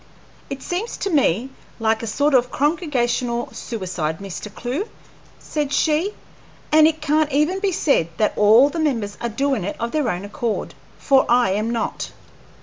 "It seems to me like a sort of a congregational suicide, Mr. Clewe," said she. "And it can't even be said that all the members are doin' it of their own accord, for I am not.